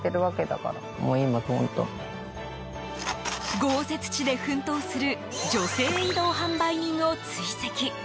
豪雪地で奮闘する女性移動販売人を追跡。